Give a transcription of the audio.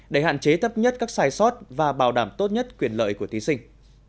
để hạn chế thấp nhất các sai sót và bảo đảm tốt nhất quyền lợi của thí sinh